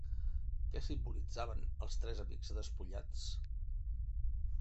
Què simbolitzaven els tres amics despullats?